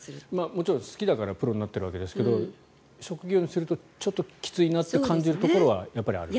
もちろん好きだからプロになっているわけですが職業にするとちょっときついなと感じるところはある。